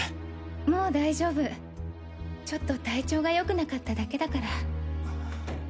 もう大丈夫ちょっと体調が良くなかっただけだから。